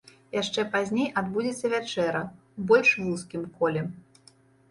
Яшчэ пазней адбудзецца вячэра ў больш вузкім коле.